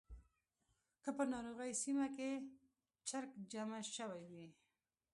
که په ناروغۍ سیمه کې چرک جمع شوی وي.